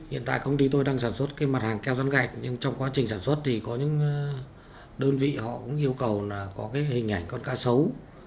hiện tại công ty tôi đang sản xuất mặt hàng keo rán gạch nhưng trong quá trình sản xuất có những đơn vị yêu cầu có hình ảnh con cá sấu